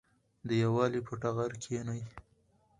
د یووالي په ټغر کېنئ.